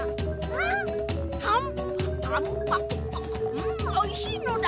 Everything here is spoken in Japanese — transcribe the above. うんおいしいのだ！